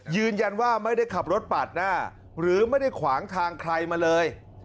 ยืนยันว่าไม่ได้ขับรถปาดหน้าหรือไม่ได้ขวางทางใครมาเลย